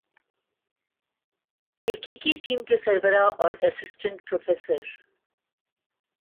تحقیقی ٹیم کے سربراہ اور اسسٹنٹ پروفیسر